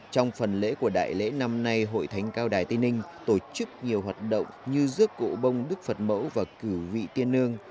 trong phần lễ của đại lễ năm nay hội thánh cao đài tây ninh tổ chức nhiều hoạt động như rước cộ bông đức phật mẫu và cử vị tiên nương